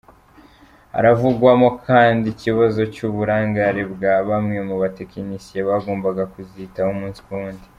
Haravugwamo kandi ikibazo cy’uburangare bwa bamwe mu batekinisiye bagombaga kuzitaho umunsi ku wundi.